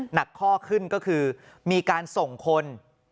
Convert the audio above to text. หนักข้อขึ้นก็คือมีการส่งคน